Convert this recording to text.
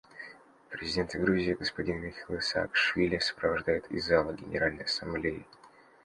Президента Грузии господина Михаила Саакашвили сопровождают из зала Генеральной Ассамблеи.